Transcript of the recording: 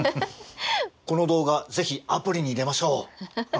この動画是非アプリに入れましょう。